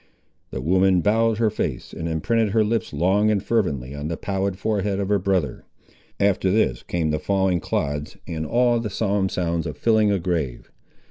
The woman bowed her face and imprinted her lips long and fervently on the pallid forehead of her brother. After this came the falling clods and all the solemn sounds of filling a grave.